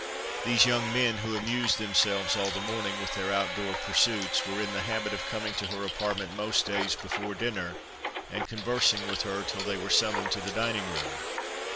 These young men, who amused themselves all the morning with their out door pursuits, were in the habit of coming to her apartment most days before dinner, and conversing with her till they were summoned to the dining room.